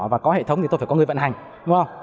và có hệ thống thì tôi phải có người vận hành đúng không